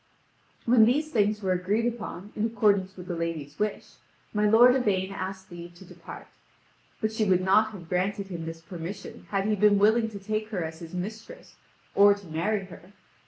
When these things were agreed upon in accordance with the lady's wish, my lord Yvain asked leave to depart. But she would not have granted him this permission had he been willing to take her as his mistress, or to marry her.